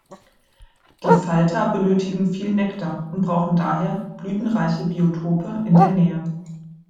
Die Falter benötigen viel Nektar und brauchen daher blütenreiche Biotope in der Nähe.